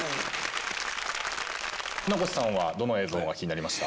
船越さんはどの映像が気になりました？